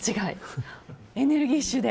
エネルギッシュで。